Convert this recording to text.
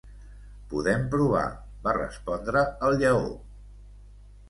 "Podem provar" va respondre el lleó.